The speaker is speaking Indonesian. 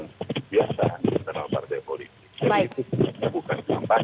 biasa di internal partai politik